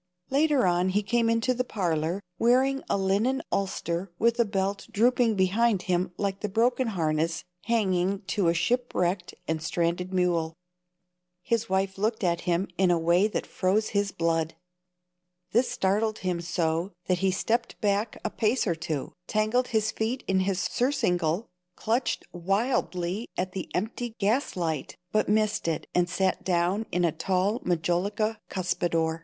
Later on he came into the parlor, wearing a linen ulster with the belt drooping behind him like the broken harness hanging to a shipwrecked and stranded mule. His wife looked at him in a way that froze his blood. This startled him so that he stepped back a pace or two, tangled his feet in his surcingle, clutched wildly at the empty gas light, but missed it and sat down in a tall majolica cuspidor.